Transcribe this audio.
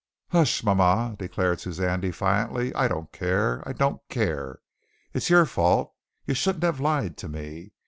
"Hush, mama!" declared Suzanne defiantly. "I don't care. I don't care. It's your fault. You shouldn't have lied to me.